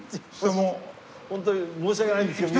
本当に申し訳ないんですけど。